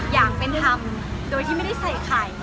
อย่างเป็นธรรมโดยที่ไม่ได้ใส่ไข่